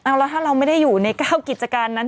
เอาละถ้าเราไม่ได้อยู่ในก้าวกิจการนั้น